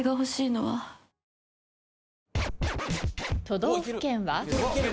都道府県は？